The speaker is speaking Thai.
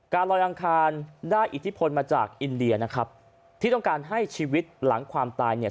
ลอยอังคารได้อิทธิพลมาจากอินเดียนะครับที่ต้องการให้ชีวิตหลังความตายเนี่ย